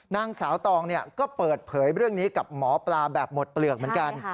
นางสาวตองก็เปิดเผยเรื่องนี้กับหมอปลาแบบหมดเปลือกเหมือนกัน